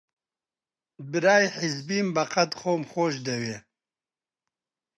برای حیزبیم بەقەد خۆم خۆش دەوێ